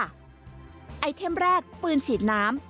ไอเทมแรกปืนฉีดน้ำ